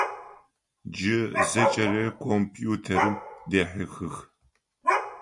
Джы зэкӏэри компьютерым дехьыхых.